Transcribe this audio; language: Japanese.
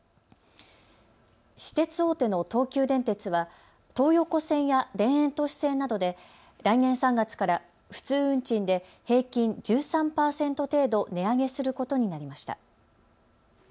私鉄大手の東急電鉄は東横線や田園都市線などで来年３月から普通運賃で平均１３％程度値上げすることになりました。